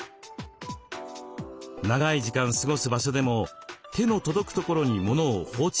長い時間過ごす場所でも手の届くところに物を放置しがちに。